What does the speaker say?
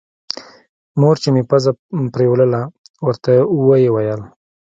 مور چې مې پزه پرېوله ورته ويې ويل.